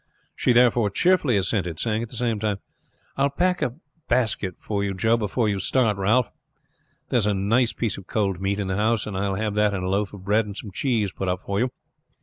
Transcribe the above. She, therefore, cheerfully assented, saying at the same time, "I will pack a basket for you before you start, Ralph. There is a nice piece of cold meat in the house, and I will have that and a loaf of bread and some cheese put up for you.